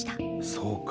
そうか。